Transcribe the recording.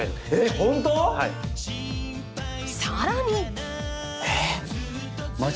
さらに。